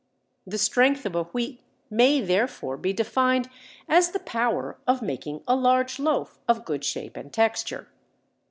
The strength of a wheat may therefore be defined as the power of making a large loaf of good shape and texture.